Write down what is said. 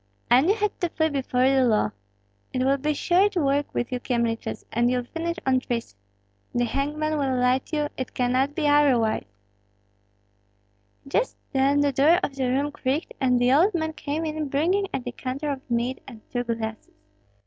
"And you had to flee before the law. It will be short work with you Kyemliches, and you'll finish on trees. The hangman will light you, it cannot be otherwise!" Just then the door of the room creaked, and the old man came in bringing a decanter of mead and two glasses.